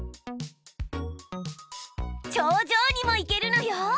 頂上にも行けるのよ！